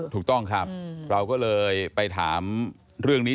ถูกต้องครับเราก็เลยไปถามเรื่องนี้